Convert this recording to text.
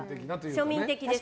庶民的です。